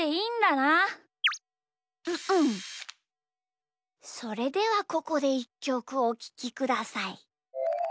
それではここでいっきょくおききください。